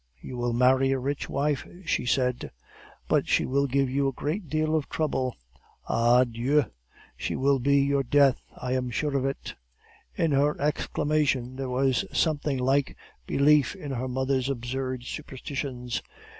"'You will marry a rich wife,' she said, 'but she will give you a great deal of trouble. Ah, Dieu! she will be your death, I am sure of it.' "In her exclamation there was something like belief in her mother's absurd superstitions.